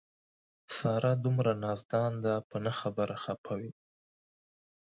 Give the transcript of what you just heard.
ساره دومره نازدان ده په نه خبره خپه وي.